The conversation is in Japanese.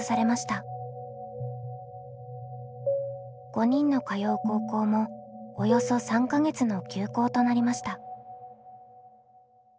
５人の通う高校もおよそ３か月の休校となりました。